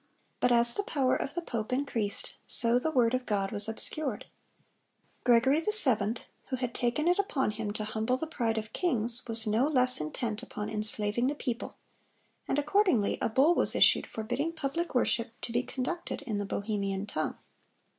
But as the power of the pope increased, so the word of God was obscured. Gregory VII., who had taken it upon him to humble the pride of kings, was no less intent upon enslaving the people, and accordingly a bull was issued forbidding public worship to be conducted in the Bohemian tongue.